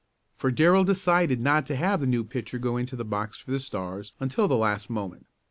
For Darrell decided not to have the new pitcher go into the box for the Stars until the last moment.